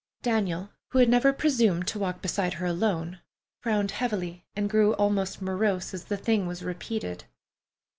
Daniel, who had never presumed to walk beside her alone, frowned heavily and grew almost morose as the thing was repeated.